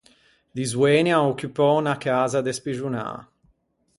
Di zoeni an occupou unna casa despixonâ.